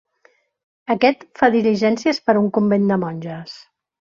Aquest fa diligències per a un convent de monges.